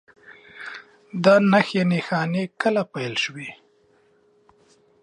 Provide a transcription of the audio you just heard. دا نښې نښانې کله پیل شوي؟